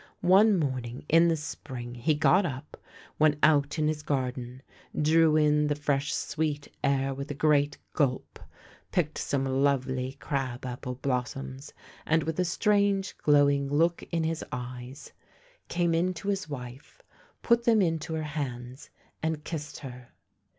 One morning in the spring he got up. went out in his garden, drew in the fresh, sweet air with a great gulp, picked some lovely crab apple blossoms, and,, with a strange glowing look in his eyes, came in to 272 THE LANE THAT HAD NO TURNING his wife, put them into her hands, and kissed her.